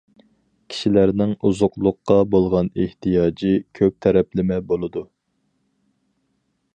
كىشىلەرنىڭ ئوزۇقلۇققا بولغان ئېھتىياجى كۆپ تەرەپلىمە بولىدۇ.